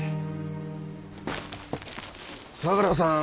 相良さん